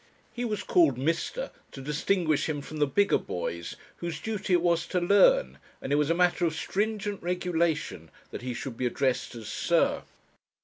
He was called "Mr." to distinguish him from the bigger boys, whose duty it was to learn, and it was a matter of stringent regulation that he should be addressed as "Sir."